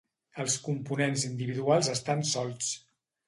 Els components individuals estan solts.